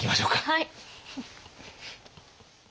はい！